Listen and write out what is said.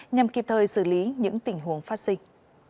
nhằm kịp thời xử lý những tình huống phát sinh